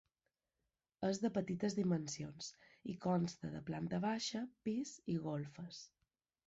És de petites dimensions i consta de planta baixa, pis i golfes.